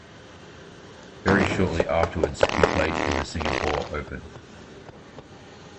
Very shortly afterwards he played in the Singapore Open.